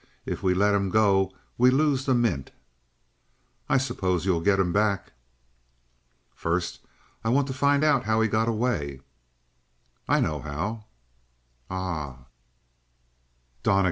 If we let him go we lose the mint." "I suppose you'll get him back?" "First, I want to find out how he got away." "I know how." "Ah?" "Donnegan."